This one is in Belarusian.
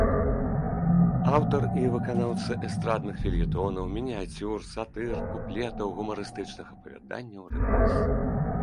Аўтар і выканаўца эстрадных фельетонаў, мініяцюр, сатыр, куплетаў, гумарыстычных апавяданняў, рэпрыз.